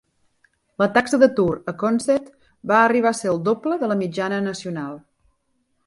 La taxa d'atur a Consett va arribar a ser el doble de la mitjana nacional.